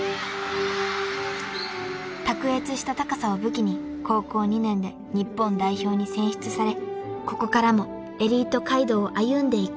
［卓越した高さを武器に高校２年で日本代表に選出されここからもエリート街道を歩んでいく］